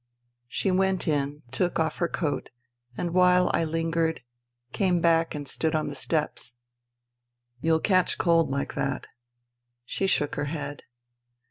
She went in, took off her coat, and while I lingered, came back and stood on the steps. " Youll catch cold like that." She shook her head.